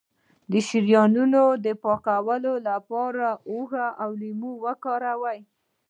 د شریانونو د پاکوالي لپاره هوږه او لیمو وکاروئ